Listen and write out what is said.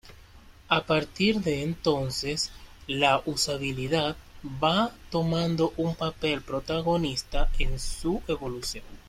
A partir de entonces, la usabilidad va tomando un papel protagonista en su evolución.